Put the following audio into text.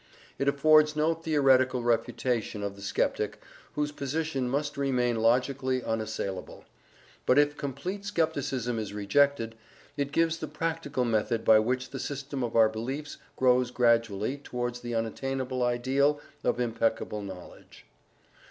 It affords no theoretical refutation of the sceptic, whose position must remain logically unassailable; but if complete scepticism is rejected, it gives the practical method by which the system of our beliefs grows gradually towards the unattainable ideal of impeccable knowledge.